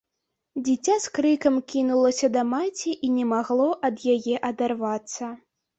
Дзіця з крыкам кінулася да маці і не магло ад яе адарвацца.